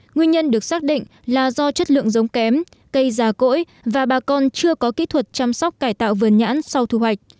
nguyên nhân được xác định là do chất lượng giống kém cây già cỗi và bà con chưa có kỹ thuật chăm sóc cải tạo vườn nhãn sau thu hoạch